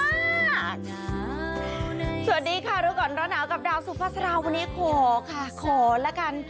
สวัสดีค่ะร้อนหนาวกับดาวสุภาษณ์สลาววันนี้ขอค่ะขอละกัน